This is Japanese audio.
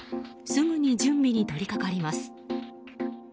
すぐに準備に取りかかります。